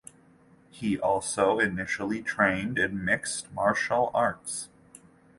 He also initially trained in mixed martial arts.